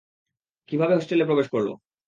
কিভাবে হোস্টেলে প্রবেশ করল?